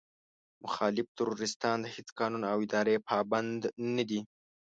مخالف تروريستان د هېڅ قانون او ادارې پابند نه دي.